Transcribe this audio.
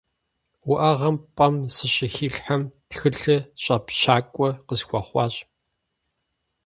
УӀэгъэм пӀэм сыщыхилъхьэм, тхылъыр щӀэпщакӀуэ къысхуэхъуащ.